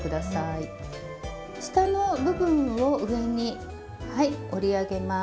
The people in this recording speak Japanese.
下の部分を上にはい折り上げます。